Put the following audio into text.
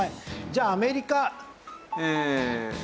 じゃあアメリカ。